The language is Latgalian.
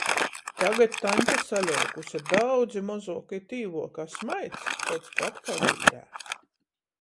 Tagad taņte saleikuse, daudzi mozuoka i tīvuoka, a smaids taids pat kai biļdē.